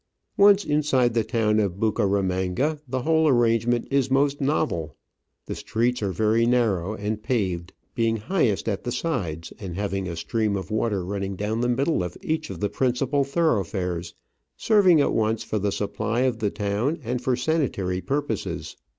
Once inside the town of Bucaramanga the whole arrangement is most novel. The streets are very narrow and paved, being highest at the sides, and having a stream of water running down the middle of each of the principal thoroughfares, serving at once for the supply of the town and for sanitary purposes.